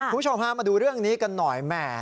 คุณผู้ชมพามาดูเรื่องนี้กันหน่อยแหม